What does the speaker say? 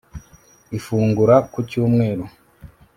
Ifungura ku cyumweru